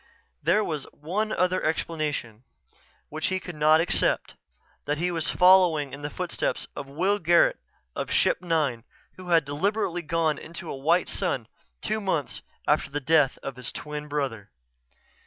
There was one other explanation, which he could not accept: that he was following in the footsteps of Will Garret of Ship Nine who had deliberately gone into a white sun two months after the death of his twin brother.